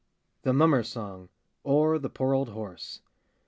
THE MUMMERS' SONG; OR, THE POOR OLD HORSE.